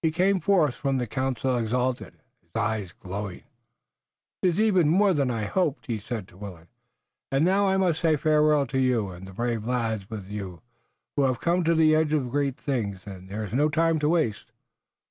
He came forth from the council exultant, his eyes glowing. "'Tis even more than I had hoped," he said to Willet, "and now I must say farewell to you and the brave lads with you. We have come to the edge of great things, and there is no time to waste."